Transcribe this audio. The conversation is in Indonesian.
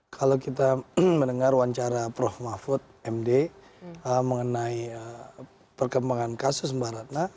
kalau kita mendengar wawancara prof mahfud md mengenai perkembangan kasus mbak ratna